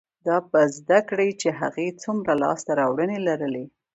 دا به زده کړي چې هغې څومره لاسته راوړنې لرلې،